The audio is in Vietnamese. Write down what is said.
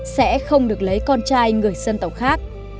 sẽ không được lấy con trai người dân tộc khác